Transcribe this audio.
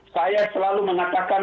saya selalu mengatakan